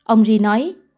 ông ri nói